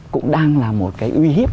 cũng đang là một cái uy hiếp